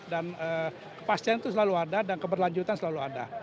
dan kepastian itu selalu ada dan keberlanjutan selalu ada